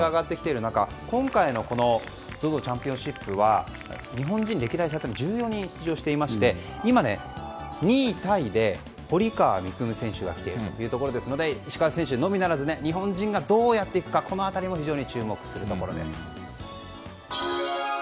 調子が上がってきている今回のＺＯＺＯチャンピオンシップは日本人歴代１４人出場していまして今、２位タイで堀川選手が来ているというところですので石川選手のみならず日本人選手がどう来るかも注目です。